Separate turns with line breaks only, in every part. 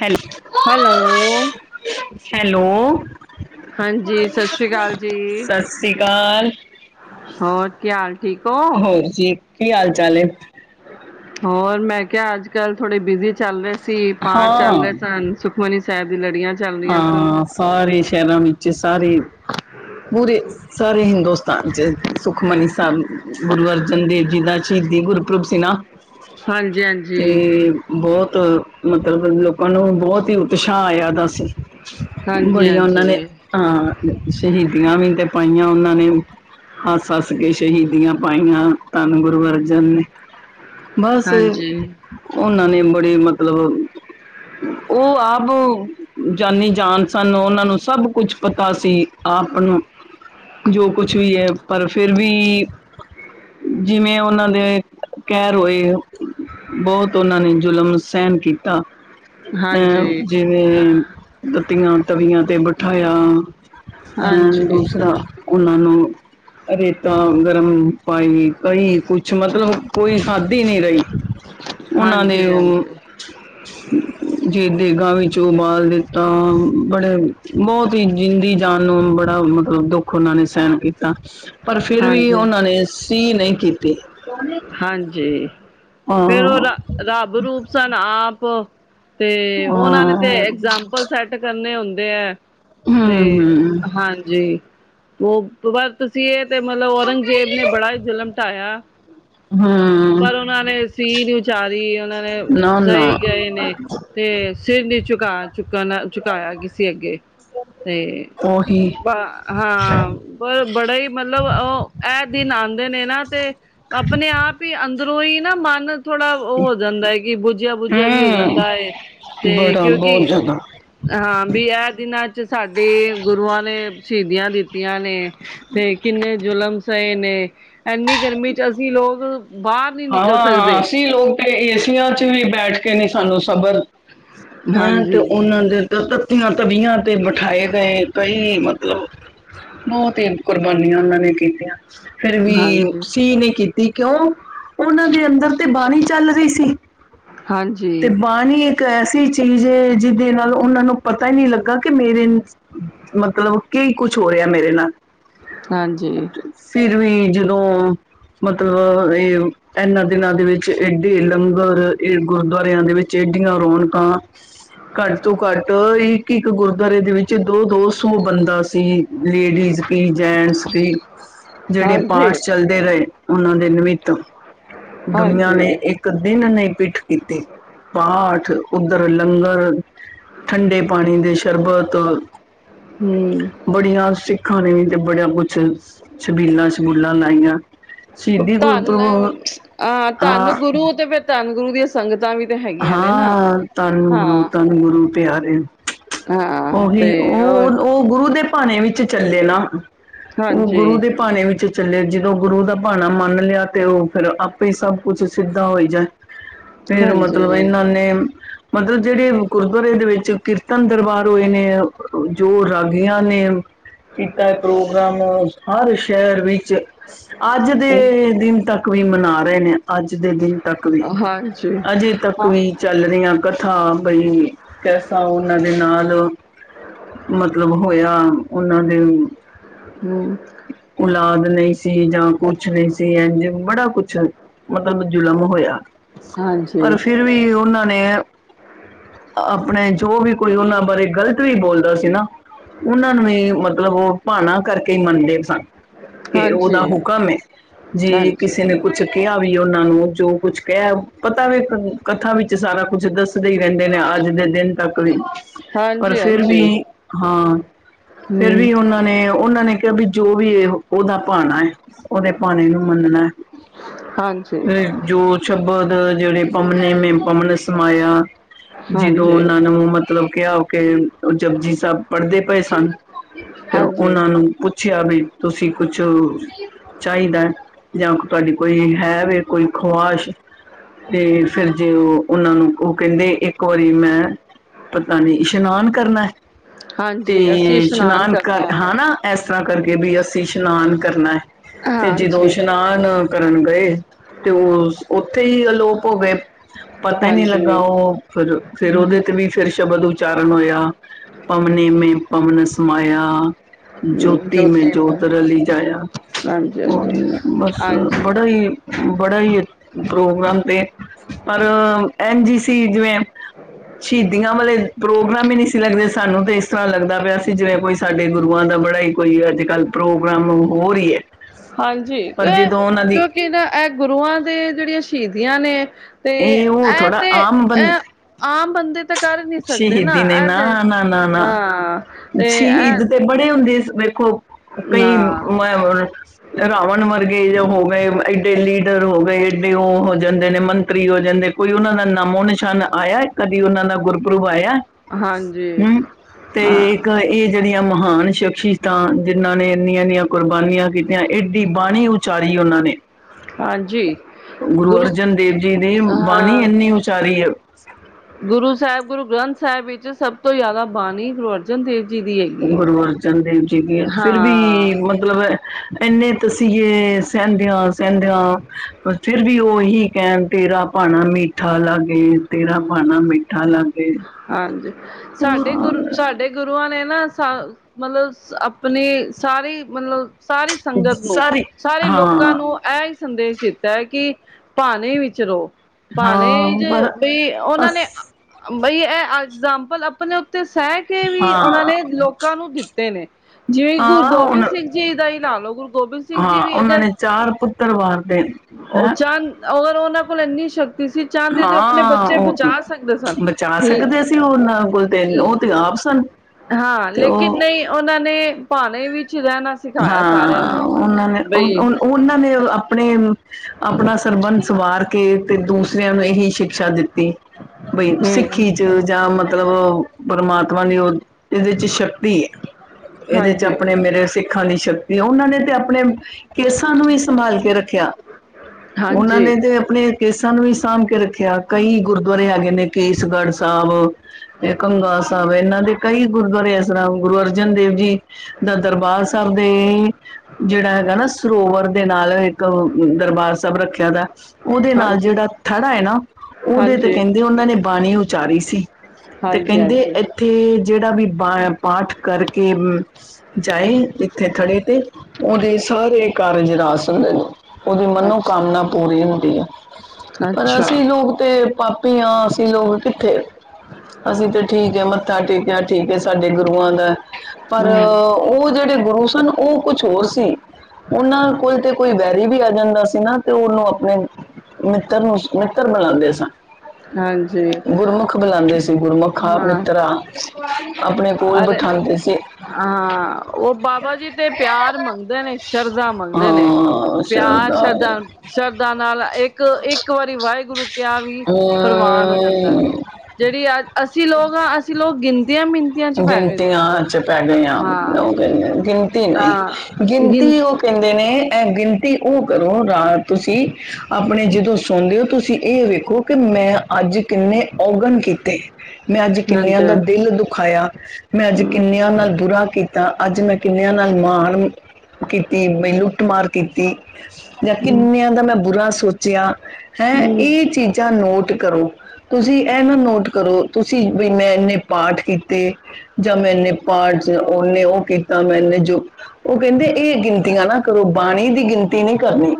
ਹੈਲ
hello
hello.
ਹਾਂਜੀ ਸਤਿ ਸ੍ਰੀ ਅਕਾਲ ਜੀ
ਸਸ ਸ੍ਰੀ ਕਾਲ
ਹੋਰ ਕੀ ਹਾਲ ਠੀਕ ਹੋ
ਹੋਰ ਜੀ ਕੀ ਹਾਲ ਚਾਲ ਹੈ?
ਹੋਰ ਮੈਂ ਕਿਹਾ ਅੱਜ ਕੱਲ ਥੋੜੇ ਬਿਜੀ ਚੱਲ ਰਹੇ ਸੀ ਪਾਠ ਚੱਲ
ਹਾਂ
ਰਹੇ ਸਨ। ਸੁਖਮਨੀ ਸਾਹਿਬ ਦੀ ਲੜੀਆਂ ਚੱਲ ਰਹੀਆਂ ਸਨ
ਹਾਂ ਸਾਰੇ ਸ਼ਹਿਰਾਂ ਵਿੱਚ ਸਾਰੇ
ਹ [unintelligible]
ਪੂਰੇ ਸਾਰੇ ਹਿੰਦੁਸਤਾਨ ਚ ਸੁਖਮਨੀ ਸਾਹਿਬ ਗੁਰੂ ਅਰਜਨ ਦੇਵ ਜੀ ਦਾ ਸ਼ਹੀਦੀ ਗੁਰਪੁਰਬ ਸੀ ਨਾ।
ਹਾਂਜੀ ਹਾਂਜੀ
ਤੇ ਬਹੁਤ ਮਤਲਬ ਲੋਕਾਂ ਨੂੰ ਬਹੁਤ ਹੀ ਉਤਸ਼ਾਹ ਆਇਆ ਦਾ ਸੀ।
ਹਾਂਜੀ
ਬੜੀਆਂ ਉਹਨਾਂ ਨੇ ਹਾਂ ਸ਼ਹੀਦੀਆਂ ਵੀ ਤੇ ਪਾਈਆਂ ਉਹਨਾਂ ਨੇ। ਹੱਸ-ਹੱਸ ਕੇ ਸ਼ਹੀਦੀਆਂ ਪਾਈਆਂ ਧੰਨ ਗੁਰੂ ਅਰਜਨ ਬਸ
ਹਾਂਜੀ
ਉਹਨਾਂ ਨੇ ਬੜੇ ਮਤਲਬ ਉਹ ਆਪ ਜਾਨੀ ਜਾਨ ਸਨ ਉਹਨਾਂ ਨੂੰ ਸਭ ਕੁਛ ਪਤਾ ਸੀ ਆਪ ਨੂੰ ਜੋ ਕੁਛ ਵੀ ਹੈ ਪਰ ਫਿਰ ਵੀ ਜਿਵੇਂ ਉਹਨਾਂ ਦੇ ਕਹਿਰ ਹੋਏ ਬਹੁਤ ਉਹਨਾਂ ਨੇ ਜ਼ੁਲਮ ਸਹਿਣ ਕੀਤਾ ਅਹ
ਹਾਂਜੀ ਹਾਂਜੀ
ਜਿਵੇਂ ਤਤੀਆਂ ਤਵੀਆਂ ਤੇ ਬਿਠਾਇਆ ਭ
ਹਾਂਜੀ
ਦੂਸਰਾ ਉਨਾ ਨੂੰ ਰੇਤਾ ਗਰਮ ਪਾਈ ਕਈ ਕੁਛ ਮਤਲਬ ਕੋਈ ਹੀ ਹੱਦ ਹੀ ਨਈ ਰਹੀ।
ਹਾਂਜੀ-ਹਾਂਜੀ।
ਜੇ ਦੇਗਾਂ ਵਿੱਚੋਂ ਉਬਾਲ ਦੇ ਤਾਂ ਬੜੇ ਬਹੁਤ ਹੀ ਜਿੰਦੀ ਜਾਨ ਨੂੰ ਬੜਾ ਮਤਲਬ ਦੁੱਖ ਉਹਨਾਂ ਨੇ ਸਹਿਣ ਕੀ ਤਾ ਪਰ ਫਿਰ ਵੀ
ਹਾਂਜੀ
ਉਹਨਾਂ ਨੇ ਸੀ ਨਈ ਕੀਤੀ।
ਹਾਂਜੀ ਫੇਰ ਉਹ
ਹਾਂ
ਰ ਰੱਬ ਰੂਪ ਸਨ ਆਪ ਤੇ ਉਹਨਾਂ ਨੇ ਤੇ
ਹਾਂ
ਐਗਜਾਮਪਲ ਸੈਟ ਕਰਨੇ ਹੁੰਦੇ ਹੈ
ਹਮ
ਤੇ
ਹਮ
ਹਾਂਜੀ। ਉਹ ਪਰ ਤੁਸੀਂ ਇਹ ਤੇ ਮਤਲਬ ਔਰੰਗਜ਼ੇਬ ਨੇ ਬੜਾ ਹੀ ਜਲਮ ਢਾਇਆ।
ਹਮ
ਪਰ ਉਹਨਾਂ ਨੇ ਸੀ ਨ ਉਚਾਰੀ ਉਹਨਾਂ ਨੇ
ਨਾ ਨਾ
ਸਈ ਗਏ ਨੇ। ਤੇ ਸਿਰ ਨ੍ਹੀਂ ਚੁਕਾ ਚੁਕਣਾ ਚੁਕਾਇਆ ਕਿਸੇ ਅੱਗੇ। ਤੇ
ਉਹੀ
ਬਾ ਹਾਂ ਪਰ ਬੜਾ ਈ ਮਤਲਬ ਉਹ ਇਹ ਦਿਨ ਆਂਦੇ ਨੇ ਨਾ ਤੇ। ਆਪਣੇ ਆਪ ਈ ਅੰਦਰੋਂ ਈ ਨਾ ਮਨ ਥੋੜ੍ਹਾ ਉਹ ਹੋ ਜਾਂਦਾ ਐ ਕਿ ਬੁਝਿਆ ਬੁਝਿਆ ਵੀ ਹੋ
ਹਮ
ਜਾਂਦਾ ਐ ਤੇ
ਬੜਾ ਬਹੁਤ
ਕਿਉਂਕਿ।
ਜ਼ਿਆਦਾ
ਹਾਂ ਵੀ ਇਹ ਦਿਨਾਂ ਚ ਸਾਡੇ ਗੁਰੂਆਂ ਨੇ ਸ਼ਹੀਦੀਆਂ ਦਿੱਤੀਆਂ ਨੇ। ਤੇ ਕਿੰਨੇ ਜ਼ੁਲਮ ਸਹੇ ਨੇ ਇੰਨੀ ਗਰਮੀ ਚ ਅਸੀਂ ਲੋਗ ਬਾਹਰ। ਨਹੀਂ ਨਿਕਲ
ਹਾਂ
ਸਕਦੇ
ਅਸੀਂ ਲੋਕ ਤੇ ਏਸੀਆਂ ਚ ਵੀ ਬੈਠ ਕੇ ਨੀ ਸਾਨੂੰ ਸਬਰ। ਹੈਂ ਤੇ
ਹਾਂਜੀ
ਉਹਨਾਂ ਦੇ ਤਾਂ ਧੱਤੀਆਂ ਤਵੀਆਂ। ਤੇ ਬਿਠਾਏ ਗਏ ਕਈ ਮਤਲਬ ਬਹੁਤ ਈ ਕੁਰਬਾਨੀਆਂ ਉਹਨਾਂ ਨੇ ਕੀਤੀਆਂ। ਫਿਰ ਵੀ
ਹਾਂਜੀ
ਸੀ ਨੇ ਕੀਤੀ ਕਿਉਂ ਉਹਨਾਂ ਦੇ ਅੰਦਰ ਤੇ ਬਾਣੀ ਚੱਲ ਰਹੀ ਸੀ ਤੇ
ਹਾਂਜੀ
ਬਾਣੀ ਇੱਕ ਐਸੀ ਚੀਜ਼ ਜਿਹਦੇ ਨਾਲ ਉਹਨਾਂ ਨੂੰ ਪਤਾ ਈ ਨ੍ਹੀਂ ਲੱਗਾ ਕਿ ਮੇਰੇ ਮਤਲਬ ਕੀ ਕੁੱਛ ਹੋ ਰਿਹਾ ਮੇਰੇ ਨਾਲ।
ਹਾਂਜੀ।
ਫਿਰ ਵੀ ਜਦੋਂ ਮਤਲਬ ਇਹ ਇਹਨਾਂ ਦਿਨਾਂ ਦੇ ਵਿੱਚ ਏਡੇ ਲੰਗਰ ਏ ਗੁਰਦੁਆਰਿਆਂ ਦੇ ਵਿੱਚ ਏਡੀਆਂ ਰੌਣਕਾਂ ਘਰ ਤੋਂ ਘ ਅ ਇੱਕ-ਇੱਕ ਗੁਰਦੁਆਰੇ ਦੇ ਵਿੱਚ ਦੋ-ਦੋ ਸੌ ਬੰਦਾ ਸੀ, ਲੇਡੀਜ਼ ਕੀ ਜੈਨਸ ਕੀ, ਜਿਹੜੇ
ਹਾਂਜੀ
ਪਾਠ ਚੱਲਦੇ ਰਹੇ ਉਹਨਾਂ ਦੇ ਨਿਮਤ। ਦੁਨੀਆਂ
ਹਾਂਜੀ
ਨੇ ਇੱਕ ਦਿਨ ਨਈਂ ਪਿੱਠ ਕੀਤੀ। ਪਾਠ ਉਧਰ ਲੰਗਰ। ਠੰਡੇ ਪਾਣੀ ਦੇ ਸ਼ਰਬਤ।
ਹਮ
ਬੜੀਆਂ ਸਿੱਖਾਂ ਨੇ ਤੇ ਬੜਾ ਕੁਛ ਸਛਬੀਲਾਂ ਸਬੂਲਾਂ ਲਾਈਆਂ। ਸ਼ਹੀਦੀ
ਧਨ
ਗੁਰਪੁਰਬ
ਹਾਂ ਧੰਨ
ਆ
ਗੁਰੂ ਤੇ ਫਿਰ ਧੰਨ ਗੁਰੂ ਦੀਆਂ ਸੰਗਤਾਂ ਵੀ ਤੇ ਹੈਗੀਆਂ ਨੇ ਨਾ
ਹਾਂ, ਧੰਨ ਗੁਰੂ
ਹਾਂ
ਧੰਨ ਗੁਰੂ ਪਿਆਰੇ।
ਹਾਂ ਤੇ
ਉਹੀ ਉਹ
ਹੋਰ
ਉਹ ਓ ਗੁਰੂ ਦੇ ਭਾਣੇ ਵਿੱਚ ਚੱਲੇ ਨਾ ਉਹ ਗੁਰੂ
ਹਾਂਜੀ
ਦੇ ਭਾਣੇ ਵਿੱਚ ਚੱਲੇ ਜਦੋਂ ਗੁਰੂ ਦਾ ਭਾਣਾ ਮੰਨ ਲਿਆ ਤੇ ਉਹ ਫੇਰ ਆਪੇ ਹੀ ਸਭ ਕੁਛ ਸਿੱਧਾ ਹੋਈ ਜਾਏ, ਫਿਰ ਮਤਲਬ
ਹਾਂਜੀ
ਇਹਨਾਂ ਨੇ ਮਤਲਬ ਜਿਹੜੇ ਗੁਰਦੁਆਰੇ ਦੇ ਵਿੱਚ ਕੀਰਤਨ ਦਰਬਾਰ ਹੋਏ ਨੇ, ਜੋ ਰਾਗੀਆਂ ਨੇ ਕੀਤਾ ਏ ਪ੍ਰੋਗਰਾਮ ਹਰ ਸ਼ਹਿਰ ਵਿੱਚ। ਅੱਜ ਦੇ ਦਿਨ ਤੱਕ ਵੀ ਮਨਾ ਰਹੇ ਨੇ। ਅੱਜ ਦੇ ਦਿਨ ਤੱਕ ਵੀ,
ਹਾਂਜੀ
ਅਜੇ ਤ
ਹਾਂ
ਵੀ ਚੱਲ ਰਹੀਆਂ ਕਥਾ ਬਈ ਕੈਸਾ ਉਹਨਾਂ ਦੇ ਨਾਲ ਮਤਲਬ ਹੋਇਆ ਉਹਨਾਂ ਦੇ
ਹਂ।
ਔਲਾਦ ਨਈਂ ਸੀ ਜਾਂ ਕੁਛ ਨਈ ਸੀ ਇੰਝ ਬੜਾ ਕੁਛ। ਮਤਲਬ ਜ਼ੁਲਮ ਹੋਇਆ।
ਹਾਂਜੀ।
ਪਰ ਫਿਰ ਵੀ ਉਹਨਾਂ ਨੇ ਆਪਣੇ ਜੋ ਵੀ ਕੋਈ ਉਹਨਾਂ ਬਾਰੇ ਗ਼ਲਤ ਵੀ ਬੋਲਦਾ ਸੀ ਨਾਂ। ਉਹਨਾਂ ਨੂੰ ਵੀ ਮਤਲਬ ਉਹ ਭਾਣਾ ਕਰਕੇ ਮੰਨਦੇ ਸਨ। ਕਿ
ਹਾਂਜੀ,
ਉਹਦਾ ਹੁਕਮ ਐ ਜੇ ਕਿਸੇ
ਹਾਂਜੀ,
ਨੇ ਕੁਛ ਕਿਹਾ ਵੀ ਉਹਨਾਂ ਨੂੰ ਜੋ ਕੁੱਛ ਕਹਿ ਪ ਕਥਾ ਵਿੱਚ ਸਾਰਾ ਕੁਝ ਦੱਸਦੇ ਹੀ ਰਹਿੰਦੇ ਨੇ ਅੱਜ ਦੇ ਦਿਨ ਤੱਕ ਵੀ ਪਰ ਫਿਰ ਵੀ
ਹਾਂਜੀ-ਹਾਂਜੀ,
ਹਾਂ
ਹੂੰ,
ਫਿਰ ਵੀ ਉਹਨਾਂ ਨੇ ਉਹਨਾਂ ਨੇ ਕਿਹਾ ਵੀ ਜੋ ਵੀ ਇਹ ਉਹਦਾ ਭਾਣਾ ਹੈ ਉਹਦੇ ਭਾਣੇ ਨੂੰ ਮੰਨਣਾ
ਹਾਂਜੀ,
ਤੇ ਜੋ ਸ਼ਬਦ ਜਿਹੜੇ ਪਮਨ ਮੈਂ ਪਮਨ ਸਮਾਇਆ ਜੀਦੋ
ਹਾਂਜੀ,
ਉਹਨਾਂ ਨੂੰ ਮਤਲਬ ਕਿਹਾ ਕੇ ਜਪਜੀ ਸਾਹਿਬ ਪੜ੍ਹਦੇ ਪਏ ਸਨ। ਤੇ
ਹਾਂਜੀ,
ਉਹਨਾਂ ਨੂੰ ਪੁੱਛਿਆ ਵੀ ਤੁਸੀਂ ਕੁਛ ਚਾਹੀਦਾ। ਜਾਂ ਤੁਹਾਡੀ ਕੋਈ ਹੈ ਵੇ ਕੋਈ ਖਵਾਸ਼ ਤੇ ਫਿਰ ਜੇ ਉਹ ਉਹਨਾਂ ਨੂੰ ਉਹ ਕਹਿੰਦੇ ਇੱਕ ਵਾਰੀ ਮੈਂ ਪਤਾ ਨੀ ਇਸ਼ਨਾਨ ਕਰਨਾ। ਤੇ
ਹਾਂਜੀ ਅਸੀਂ ਇਸ਼ਨਾਨ
ਸ਼ਨਾਨ ਕਰ
ਕਰਨਾ ਹੈ,
ਹਨਾ ਇਸ ਤਰ੍ਹਾਂ
ਹੂੰ,
ਕਰਕੇ ਵੀ ਅਸੀਂ ਇਸ਼ਨਾਨ ਕਰਨਾ। ਤੇ ਜਦੋਂ
ਹਾਂਜੀ,
ਇਸ਼ਨਾਨ ਕਰਨ ਗਏ ਤੇ ਉਹ ਉੱਥੇ ਹੀ ਤੋਪ ਹੋ ਗਏ ਪਤਾ ਹੀ ਨਹੀਂ ਲੱਗਾ
ਹਾਂਜੀ,
ਉਹ ਫਿਰ-ਫਿਰ
ਹੂੰ,
ਉਹਦੇ ਤੇ ਵੀ ਫਿਰ ਸ਼ਬਦ ਉਚਾਰਨ ਹੋਇਆ ਪਵਨੀ ਮੈਂ ਪਵਨ ਸਮਾਇਆ। ਜੋਤੀ ਮੈਂ ਜੋਤ ਰਲੀ ਜਾਇਆ ਉਹ
ਹਾਂਜੀ-ਹਾਂਜੀ, ਹਾਂਜੀ,
ਬਸ
ਹਾਂਜੀ
ਬੜਾ ਹੀ ਬੜਾ ਹੀ ਹੈ ਪ੍ਰੋਗਰਾਮ ਤੇ ਪਰ ਐਨ ਜੀ ਸੀ ਜਿਵੇਂ ਸ਼ੀ ਦੀਆਂ ਵਾਲੇ ਪ੍ਰੋਗਰਾਮ ਹੀ ਨਹੀਂ ਸੀ ਲੱਗਦੇ ਸਾਨੂੰ ਤੇ ਇਸ ਤਰ੍ਹਾਂ ਲੱਗਦਾ ਪਿਆ ਸੀ ਜਿਵੇਂ ਕੋਈ ਸਾਡੇ ਗੁਰੂਆਂ ਦਾ ਬੜਾ ਹੀ ਕੋਈ ਅੱਜ ਕੱਲ੍ਹ ਪ੍ਰੋਗਰਾਮ ਹੋਰ ਹੀ ਹੈ।
ਹਾਂਜੀ
ਪਰ
ਇਹ
ਜਦੋਂ ਉਹਨਾਂ ਦੀ
ਕਿਉਂਕਿ ਇਹ ਨਾ ਇਹ ਗੁਰੂਆਂ ਦੇ ਜਿਹੜੀਆਂ ਸ਼ਹੀਦੀਆਂ ਨੇ ਤੇ
ਇਹ ਉਹ
ਐ
ਥੋੜਾ
ਤੇ
ਆਮ ਬੰ
ਇਹ ਆਮ ਬੰਦੇ ਤੇ ਕਰ ਨੀ ਸਕਦੇ ਨਾ
ਸ਼ਹੀਦੀ ਨਹੀਂ
ਇਹ ਤੇ
ਨਾ ਨਾ ਨਾ
ਹਾਂ ਤੇ ਐ
ਸ਼ਹੀਦ ਤੇ ਬੜੇ ਹੁੰਦੇ ਵੇਖੋ ਕਈ [unintelligible] ਰਾਵਣ ਵਰਗੇ ਹੋ ਗਏ, ਏਡੇ ਲੀਡਰ ਹੋ ਗਏ, ਏਡੇ ਉਹ ਹੋ ਜਾਂਦੇ ਨੇ ਮੰਤਰੀ ਹੋ ਜਾਂਦੇ ਕੋਈ ਉਹਨਾਂ ਦਾ ਨਾਮੋ ਨਿਸ਼ਾਨ ਆਇਆ ਕਦੀ ਉਹਨਾਂ ਦਾ ਗੁਰਪੁਰਬ ਆਇਆ।
ਹਾਂਜੀ,
ਹਮ ਤੇ
ਹਾਂ,
ਗਏ। ਇਹ ਜਿਹੜੀਆਂ ਮਹਾਨ ਸ਼ਖਸੀਅਤਾਂ ਜਿਹਨਾਂ ਨੇ ਇੰਨੀਆਂ- ਇੰਨੀਆਂ ਕੁਰਬਾਨੀਆਂ ਕੀਤੀਆਂ ਏਡੀ ਬਾਣੀ ਉਚਾਰੀ ਉਨਾਂ ਨੇ।
ਹਾਂਜੀ।
ਗੁਰੂ ਅਰਜਨ ਦੇਵ ਜੀ ਨੇ ਬਾਣੀ
ਹਾਂ,
ਇੰਨੀ ਉਚਾਰੀ ਏ।
ਗੁਰੂ ਸਾਹਿਬ ਗੁਰੂ ਗ੍ਰੰਥ ਸਾਹਿਬ ਵਿੱਚ ਸਭ ਤੋਂ ਜਾਦਾ ਬਾਣੀ ਗੁਰੂ ਅਰ ਜਨ ਦੇਵ ਜੀ ਦੀ ਹੈ
ਗੁਰੂ ਅਰਜਨ ਦੇਵ ਜੀ ਦੀ ਫਿਰ ਵੀ
ਹਾਂ,
ਮਤਲਬ ਇੰਨੇ ਤਸੀਏ ਸਹਿੰਦਿਆਂ-ਸਹਿੰਦਿਆਂ ਫਿਰ ਵੀ ਉਹੀ ਕਹਿਣ ਤੇਰਾ ਭਾਣਾ ਮਿੱਠਾ ਲਾਗੇ, ਤੇਰਾ ਭਾਣਾ ਮਿੱਠਾ ਲਾ
ਹਾਂਜੀ ਸਾਡੇ ਗੁਰ ਸਾਡੇ ਗੁਰੂਆਂ ਨੇ ਨਾ ਸਾ ਮਤਲਬ ਆਪਣੀ ਸਾਰੀ ਮਤਲਬ ਸਾਰੀ ਸੰਗਤ ਨੂੰ
ਸਾਰੀ
ਸਾਰੇ ਲੋਕਾਂ
ਹਾਂ
ਨੂੰ ਇਹ ਹੀ ਸੰਦੇਸ਼ ਦਿੱਤਾ ਹੈ ਕਿ ਭਾਣੇ ਵਿਚ ਰੋ। ਭਾਣੇ
ਹਾਂ ਪਰ
ਵਿੱਚ ਵੀ ਉਹਨਾਂ
ਅਸ
ਨੇ ਬਈ ਇਹ ਐਗਜਾਮਪਲ ਆਪਣੇ ਉੱਤੇ ਸਹਿਕ ਕੇ ਵੀ ਉਹਨਾਂ
ਹਾਂ
ਨੇ ਲੋਕਾਂ ਨੂੰ ਦਿੱਤੇ ਨੇ ਜਿਵੇਂ ਗੁਰੂ
ਹਾਂ ਹੁਣ
ਗੋਬਿੰਦ ਸਿੰਘ ਜੀ ਦਾ ਹੀ ਲਾ ਲਓ ਗੁਰੂ ਗੋਬਿੰਦ ਸਿੰਘ
ਹਾਂ
ਜੀ ਵੀ
ਉਹਨਾਂ
ਅਗਰ
ਨੇ ਚਾਰ ਪੁੱਤਰ ਵਾਰ ਤੇ।
ਉਹ ਚੰਦ ਅਗਰ ਉਹਨਾਂ ਕੋਲ ਇੰਨੀ ਸ਼ਕਤੀ ਸੀ ਚਾਹਦੇ ਤੇ ਆਪਣੇ ਬੱਚੇ ਬਚਾ ਸਕਦੇ ਸਨ।
ਚਾ ਸਕਦੇ ਸੀ ਉਹਨਾਂ ਕੋਲ ਤੇ ਉਹ ਤੇ ਆਪ ਸਨ।
ਹਾਂ
ਤੇ
ਲੇਕਿਨ
ਉਹ
ਨਹੀਂ ਉਹਨਾਂ ਨੇ ਭਾਣੇ ਵਿੱਚ ਰਹਿਣਾ ਸਿਖਾਇਆ ਸਾਰਿਆਂ
ਹਾਂ
ਨੂੰ।
ਉਹਨਾਂ ਨੇ
ਬਈ
ਉਹਨਾਂ ਨੇ ਆਪਣੇ ਆਪਣਾ ਸਰਬੰਸ ਵਾਰ ਕੇ ਤੇ ਦੂਸਰਿਆਂ ਨੂੰ ਇਹੀ ਸ਼ਿਕਸ਼ਾ ਦਿੱਤੀ। ਬਈ
ਹੂੰ
ਸਿੱਖੀ 'ਚ ਜਾਂ ਮਤਲਬ ਪਰਮਾਤਮਾ ਨੇ ਓ। ਇਹਦੇ 'ਚ ਸ਼ਕਤੀ ਇਹਦੇ 'ਚ ਆਪਣੇ
ਹਾਂਜੀ,
ਮੇਰੇ ਸਿੱਖ ਸ਼ਕਤੀ ਉਹਨਾਂ ਨੇ ਤੇ ਆਪਣੇ ਕੇਸਾਂ ਨੂੰ ਵੀ ਸੰਭਾਲ ਕੇ ਰੱਖਿਆ ਉਹਨਾਂ
ਹਾਂਜੀ,
ਨੇ ਆਪਣੇ ਕੇਸਾਂ ਨੂੰ ਵੀ ਸਾਂਭ ਕੇ ਰੱਖਿਆ ਕਈ ਗੁਰਦੁਆਰੇ ਹੈਗੇ ਨੇ ਕੇਸਗੜ੍ਹ ਸਾਹਿਬ। ਤੇ ਕੰੰਗਾ ਸਾਹਿਬ ਇਹਨਾਂ ਦੇ ਕਈ ਗੁਰਦੁਆਰੇ ਇਸ ਤਰਾਂ ਗੁਰੂ ਅਰਜਨ ਦੇਵ ਜੀ। ਦਾ ਦਰਬਾਰ ਸਾਹਿਬ ਦੇ ਜੇੜਾ ਹੈਗਾ ਨਾ ਸਰੋਵਰ ਦੇ ਨਾਲ ਇੱਕ ਦਰਬਾਰ ਸਾਹਿਬ ਰੱਖਿਆ ਦਾ ਉਹਦੇ ਨਾਲ
ਹਾਂਜੀ।
ਜੇੜਾ ਥੜਾ ਹੈ ਨਾ ਉਹਦੇ ਤੇ
ਹਾਂਜੀ,
ਕੈਂਦੇ ਉਹਨਾਂ ਨੇ ਬਾਣੀ ਉਚਾਰੀ ਸੀ। ਤੇ ਕੈਂਦੇ
ਹਾਂਜੀ, ਹਾਂਜੀ
ਇੱਥੇ ਜੇੜਾ ਵੀ ਪ ਪਾਠ ਕਰਕੇ ਜਾਏ ਇੱਥੇ ਥੜੇ ਤੇ' ਉਹਦੇ ਸ ਤੇ ਕਾਰਜ ਰਾਸ ਹੁੰਦੇ ਨੇ। ਉਹਦੀ
ਅੱਛਾ,
ਮਨੋਕਾਮਨਾ ਪੂਰੀ ਹੁੰਦੀ ਆ ਪਰ
ਅੱਛਾ
ਅਸੀਂ ਲੋਕ ਤੇ ਪਾ ਪੀ ਹਾਂ ਅਸੀਂ ਲੋਕ ਕਿੱਥੇ ਅਸੀ ਤੇ ਠੀਕ ਹੈ ਮੱਥਾ ਟੇਕਿਆ ਠੀਕ ਹੈ ਸਾਡੇ ਗੁਰੂਆਂ ਦਾ ਪਰ
ਹੂੰ।
ਓ ਜੇੜੇ ਗੁਰੂ ਸਨ ਉਹ ਕੁਛ ਹੋਰ ਸੀ ਉਹਨਾਂ ਕੋਲ ਤੇ ਕੋਈ ਵੈਰੀ ਵੀ ਆ ਜਾਂਦਾ ਸੀ ਨਾ ਤੇ ਉਹਨੂੰ ਆਪਣੇ ਮਿੱਤਰ ਨੂੰ ਮਿੱਤਰ ਬਣਾਂਦੇ ਸਨ।
ਹਾਂਜੀ
ਗੁਰਮੁਖ ਬੁਲਾਂਦੇ ਸੀ ਗੁਰਮੁਖਾਂ
ਹਾਂ
ਮਿੱਤਰਾਂ ਆਪਣੇ ਕੋਲ
ਅਰੇ
ਬਿਠਾਂਦੇ ਸੀ।
ਹਾਂ ਉਹ ਬਾਬਾ ਜੀ ਤੇ ਪਿਆਰ ਮੰਗਦੇ ਨੇ ਸ਼ਰਧਾ ਮੰਗਦੇ ਨੇ
ਹਾਂ
ਪਿਆਰ
ਸ਼ਰਦਾ
ਸ਼ਰਧਾ ਸ਼ਰਧਾ ਨਾਲ ਇੱਕ-ਇੱਕ ਵਾਰੀ ਵਾਹਿਗੁਰੂ ਕਿਆ ਵੀ ਪ੍ਰਵਾਨ ਹੋ ਜਾਂਦਾ।
ਅਮ
ਜੇੜੀ ਅ ਅਸੀਂ ਲੋਕ ਹਾਂ ਅਸੀਂ ਲੋਕ ਗਿਣਤੀਆਂ ਮਿਣਤੀਆਂ 'ਚ ਪੈ ਗਏ ਦੇ ਆਂ
ਗਿਣਤੀਆਂ ਪੈ ਗਏ ਆਂ ਓ ਕੈਂਦੇ ਗਿਣਤੀ ਨਈ
ਹਾਂ ਗਿਣ
ਗਿਣਤੀ ਓ ਕੈਂਦੇ ਨੇ ਇਹ ਗਿਣ ਤੀ ਓ ਕਰੋ ਰਾ ਤੁਸੀਂ ਆਪਣੇ ਜਦੋਂ ਸੋਂਦੇ ਹੋ ਤੁਸੀਂ ਇਹ ਵੇਖੋ ਕਿ ਮੈਂ ਅੱਜ ਕਿੰਨੇ ਔਗਣ ਕੀਤੇ ਮੈਂ ਅੱਜ ਕਿੰਨਿਆਂ
ਹਾਂਜੀ
ਦਾ ਦਿਲ ਦੁੱਖ ਖਾਇਆ ਮੈਂ ਅੱਜ ਕਿੰਨਿਆਂ ਨਾਲ ਬੁਰਾ ਕੀਤਾ ਅੱਜ ਮੈਂ ਕਿੰਨਿਆਂ ਨਾਲ ਮਾਣ ਕੀਤੀ ਬੀ ਲੁੱਟ ਮਾਰ ਕੀਤੀ ਜਾਂ ਕਿੰਨਿਆਂ ਦਾ ਮੈਂ ਬੁਰਾ ਸੋਚਿਆ ਹੈਂ
ਹੂੰ
ਇਹ ਚੀਜ਼ ਨੋਟ ਕਰੋ ਤੁਸੀਂ ਇਹ ਨਾ ਨੋਟ ਕਰੋ ਤੁਸੀਂ ਵੀ ਮੈਂ ਇਨੇ ਪਾਠ ਕੀਤ ਤੇ ਜਾਂ ਮੈਨੇ ਪਾਠ ਉਹਨੇ ਓ ਕੀਤਾ ਮੈਨੇ ਜੋ ਉਹ ਕੈਂਦੇ ਇਹ ਗਿਣਤੀਆਂ ਨਾ ਕਰੋ ਬਾਣੀ ਦੀ ਗਿਣਤੀ ਨਈ ਕਰਨੀ।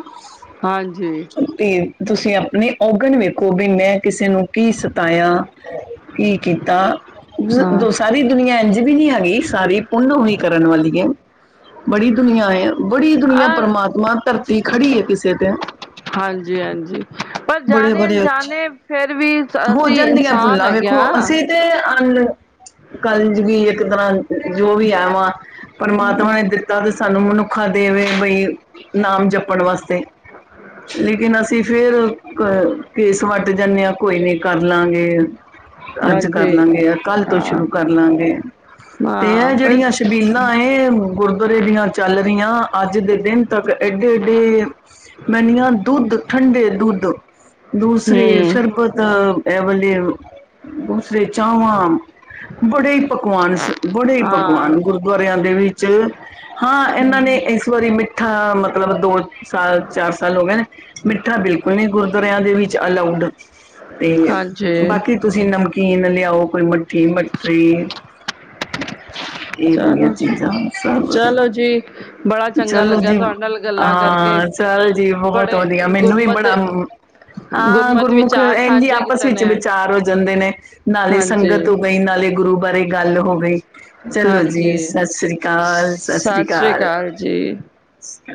ਹਾਂਜੀ
ਤੇ ਤੁਸੀਂ ਆਪਣੇ ਔਗਣ ਵੇਖੋ ਵੀ ਮੈਂ ਕਿਸੇ ਨੂੰ ਕੀ ਸਤਾਇਆ। ਕੀ ਕੀਤਾ। ਜ-
ਹਾਂ
ਸਾਰੀ ਦੁਨੀਆਂ ਇੰਝ ਵੀ ਨੀ ਹੈਗੀ ਸਾਰੀ ਪੁੰਨ ਵੀ ਕਰਨ ਵਾਲੀ ਏ। ਬੜੀ ਦੁਨੀਆਂ ਏ ਬੜੀ ਦੁਨੀਆਂ
ਅ
ਪਰਮਾਤਮਾ ਧਰਤੀ ਖੜੀ ਕਿਸੇ ਤੇ
ਹਾਂਜੀ-ਹਾਂਜੀ ਪਰ
ਬੜੇ
ਜਾਣੇ
ਬੜੇ ਅੱਛੇ
ਅਣਜਾਣੇ ਫਿਰ ਵੀ
ਹੋ
ਅਸੀਂ
ਜਾਂਦੀਆਂ
ਇਨਸਾਨ
ਭੁੱਲਾਂ
ਹੈਗੇ
ਵੇਖੋ
ਆਂ।
ਅਸੀਂ ਤੇ ਅੰਨ ਕਲਯੁਗੀ ਇੱਕ ਤਰ੍ਹਾਂ ਜੋ ਵੀ ਆਂ ਵਾ ਪ੍ਰਮਾਤਮਾ ਨੇ ਦਿੱ ਤਾ ਤੇ ਸਾਨੂੰ ਮਨੁੱਖ ਦੇਹ ਵੇ ਵਈ ਨਾਮ ਜਪਣ ਵਾਸਤੇ ਲੇਕਿਨ ਅਸੀਂ ਫਿਰ ਘ ਘੇਸ ਵੱਟ ਜਾਂਣੇ ਆਂ ਕੋਈ ਨੀ ਕਰ ਲਾਂਗੇ। ਅੱਜ ਕਰ
ਹਾਂਜੀ
ਲਾਂਗੇ, ਆ ਕੱਲ ਤੋਂ
ਹਾਂ
ਸ਼ੁਰੂ ਕਰ ਲਾਂਗੇ। ਤੇ
ਹਾਂ
ਐ
ਬ
ਜੜੀਆਂ ਸ਼ਬੀਲਾਂ ਏ ਗੁਰਦੁਆਰੇ ਦੀਆਂ ਚੱਲ ਰੀਆਂ ਅੱਜ ਦੇ ਦਿਨ ਤਾਂ ਫੇਰ ਏਡੇ-ਏਡੇ ਮੈਂ ਅਨਿਆਂ ਦੁੱਧ, ਠੰਡੇ ਦੁੱਧ ਦੂਸਰੇ
ਹੂੰ
ਸ਼ਰਬਤ ਐ ਵਲੇ, ਦੂਸਰੇ ਚਾਵਾਂ ਬੜੇ ਈ ਪਕਵਾਨ ਸ ਬੜੇ ਈ
ਹਾਂ
ਪਕਵਾਨ ਗੁਰਦੁਆਰਿਆਂ ਦੇ ਵਿੱਚ ਹਾਂ ਐਨਾਂ ਨੇ ਏਸ ਵਾਰੀ ਮਿੱਠਾ ਮਤਲਬ ਦੋ ਸਾਲ, ਚਾਰ ਸਾਲ ਹੋ ਗੇ ਨੇ ਮਿੱਠਾ ਬਿਲਕੁਲ ਨੀ ਗੁਰ ਦਵਾਰੇ ਦੇ ਵਿੱਚ ਅਲਾਊਡ ਤੇ
ਹਾਂਜੀ
ਬਾਕੀ ਤੁਸੀ ਨਮਕੀਨ ਲਿਆਓ ਕੋਈ ਮ ਠੀ, ਮਟਰੀ ਏ ਦੂਜੀਆਂ
ਚਲੋ ਜੀ
ਚੀਜ਼ਾਂ ਸਭ
ਚਲੋ ਜੀ ਬੜਾ ਚੰਗਾ
ਚਲੋ
ਲੱਗਿਆ
ਜੀ,
ਤੁਹਾਡੇ ਨਾਲ ਗੱਲਾਂ ਕਰਕੇ
ਹਾਂ ਚੱਲ ਜੀ ਬੋਹੋਤ
ਬੜੇ
ਵਧੀਆ ਮੈਨੂੰ ਵੀ ਬੜਾ
ਗੁਰਮਤ
ਹਾਂ
ਗੁਰਮਤ
ਗੁਰਮੁਖ
ਵਿਚਾਰ
ਐਂਝ ਈ
ਸਾਂਝੇ
ਆਪਸ
ਕੀਤੇ
ਵਿੱਚ
ਨੇ
ਵਿਚਾਰ ਹੋ ਜਾਂਦੇ ਨੇ ਨਾਲੇ
ਹਾਂਜੀ
ਸੰਗਤ ਵਈ ਨਾਲੇ ਗੁਰੂ ਬਾਰੇ ਗੱਲ ਹੋ ਗਈ। ਚਲੋ ਜੀ
ਹਾਂਜੀ
ਸਸ ਸ੍ਰੀ ਕਾਲ, ਸਸ ਸ੍ਰੀ
ਸਤਿ
ਕਾਲ।
ਅਕਾਲ ਜੀ।
ਸਿ